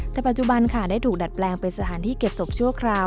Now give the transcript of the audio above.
แต่ปัจจุบันค่ะได้ถูกดัดแปลงเป็นสถานที่เก็บศพชั่วคราว